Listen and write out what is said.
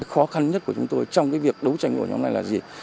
khó khăn nhất của chúng tôi trong việc đấu tranh của nhóm này là gì